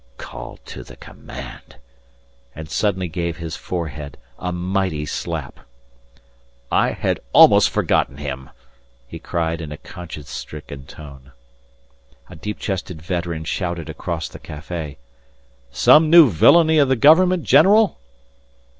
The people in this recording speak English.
"Called to the command"... and suddenly gave his forehead a mighty slap. "I had almost forgotten him," he cried in a conscience stricken tone. A deep chested veteran shouted across the café: "Some new villainy of the government, general?"